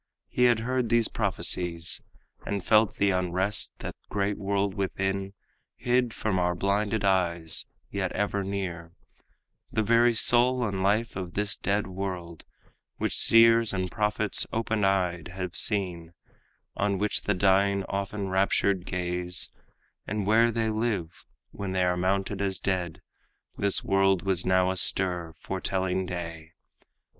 He had heard these prophecies, And felt the unrest in that great world within, Hid from our blinded eyes, yet ever near, The very soul and life of this dead world, Which seers and prophets open eyed have seen, On which the dying often raptured gaze, And where they live when they are mourned as dead. This world was now astir, foretelling day.